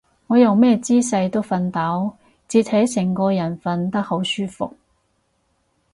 我用咩姿勢都瞓到，摺起成個人瞓得好舒服